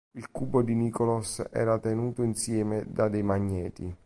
Il cubo di Nichols era tenuto insieme da dei magneti.